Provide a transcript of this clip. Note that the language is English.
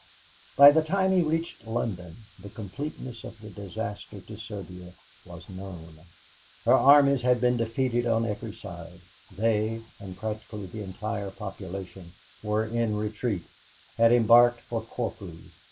By the time he reached London, the completeness of the disaster to Serbia was known. Her armies had been defeated on every side they, and practically the entire population, were in retreat; had embarked for Corfu.